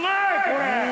これ！